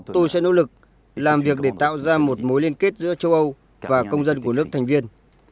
tôi sẽ nỗ lực làm việc để tạo ra một mối liên kết giữa châu âu và công dân của nước thành viên